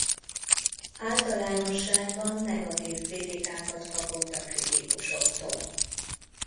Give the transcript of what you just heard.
Általánosságban negatív kritikákat kapott a kritikusoktól.